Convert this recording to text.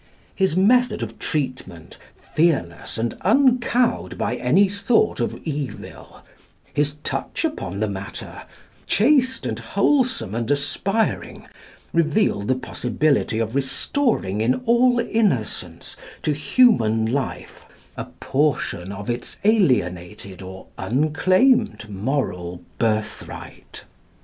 His method of treatment, fearless and uncowed by any thought of evil, his touch upon the matter, chaste and wholesome and aspiring, reveal the possibility of restoring in all innocence to human life a portion of its alienated or unclaimed moral birthright.